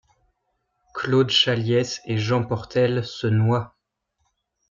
Claude Chaliès et Jean Portelle se noient.